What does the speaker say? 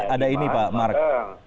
kalau dasarnya iman maka ada itu